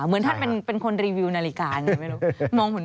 เหมือนท่านเป็นคนรีวิวนาฬิกาอย่างนี้ไม่รู้